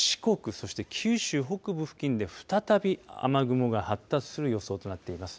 そして九州北部付近で再び雨雲が発達する予想となっています。